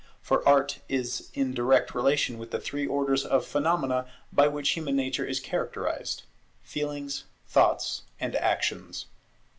For Art is in direct relation with the three orders of phenomena by which human nature is characterized; Feelings, Thoughts, and Actions.